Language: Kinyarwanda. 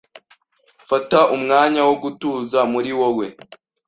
Fata umwanya wo gutuza muri wowe